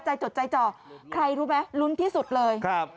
จดใจจ่อใครรู้ไหมลุ้นที่สุดเลยครับ